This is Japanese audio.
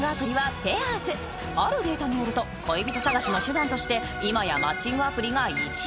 ［あるデータによると恋人探しの手段として今やマッチングアプリが１位］